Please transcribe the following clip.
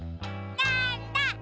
なんだ？